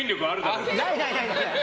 ないないない！